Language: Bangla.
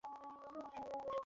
মানে, সবার বোন।